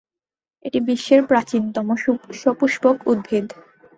এটি বিশ্বের প্রাচীনতম সপুষ্পক উদ্ভিদ।